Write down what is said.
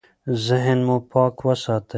ذهن مو پاک وساتئ.